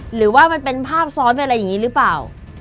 หรือว่ามันเป็นภาพซ้อนเป็นอะไรอย่างนี้หรือเปล่า